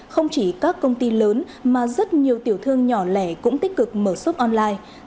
không chỉ các công ty lớn mà rất nhiều tiểu thương nhỏ lẻ cũng tích cực mở sốp online